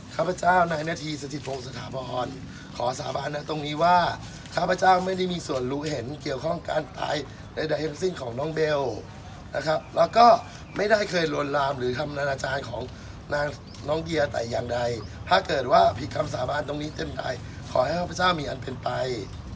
ขอสาบานนะตรงนี้ว่าข้าพเจ้าไม่ได้มีส่วนลูกเห็นเกี่ยวข้องการตายในได้เฮ็มซิ้นของน้องเบลนะครับแล้วก็ไม่ได้เคยโรนรามหรือคำนานาจารย์ของน้องเดียไต่อย่างใดถ้าเกิดว่าผิดคำสาบานตรงนี้เต็มใดขอให้พระพระเจ้ามีอันเป็นไป